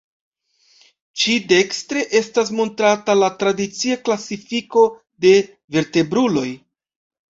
Ĉi-dekstre estas montrata la tradicia klasifiko de vertebruloj.